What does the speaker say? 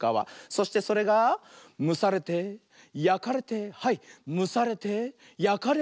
そしてそれがむされてやかれてはいむされてやかれるよ。